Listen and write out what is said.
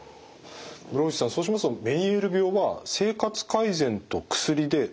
室伏さんそうしますとメニエール病は生活改善と薬で治せるものですか？